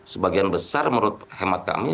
sebagian besar menurut hemat kami